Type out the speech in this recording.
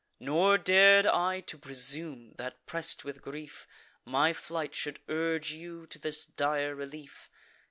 Nor dar'd I to presume, that, press'd with grief, My flight should urge you to this dire relief.